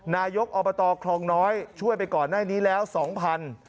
นายกอบตครองน้อยช่วยไปก่อนแน่นี้แล้ว๒๐๐๐บาท